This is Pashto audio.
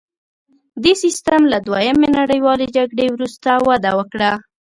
دې سیستم له دویمې نړیوالې جګړې وروسته وده وکړه